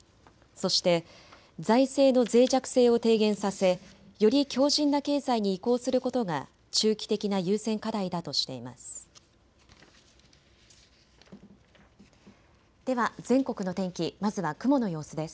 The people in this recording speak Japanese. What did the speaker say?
そして財政のぜい弱性を低減させより強じんな経済に移行することが中期的な優先課題だとしています。